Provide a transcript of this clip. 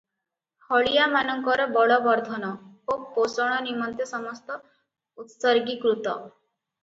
ହଳିଆ ମାନଙ୍କର ବଳବର୍ଦ୍ଧନ ଓ ପୋଷଣ ନିମନ୍ତେ ସମସ୍ତ ଉତ୍ସର୍ଗି କୃତ ।